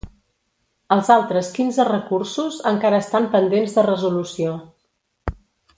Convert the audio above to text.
Els altres quinze recursos encara estan pendents de resolució.